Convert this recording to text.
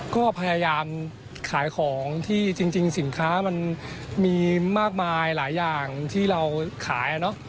ก็พยายามขายของที่จริงสินค้ามันมีมากมายหลายอย่างที่เราขาย